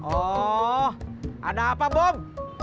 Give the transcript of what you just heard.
oh ada apa bob